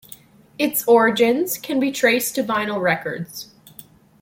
Its origins can be traced to vinyl records.